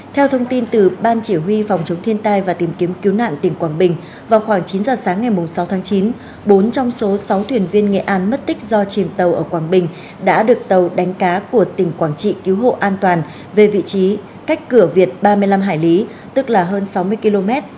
theo thông tin từ ban chỉ huy phòng chống thiên tai và tìm kiếm cứu nạn tỉnh quảng bình vào khoảng chín giờ sáng ngày sáu tháng chín bốn trong số sáu thuyền viên nghệ an mất tích do chìm tàu ở quảng bình đã được tàu đánh cá của tỉnh quảng trị cứu hộ an toàn về vị trí cách cửa việt ba mươi năm hải lý tức là hơn sáu mươi km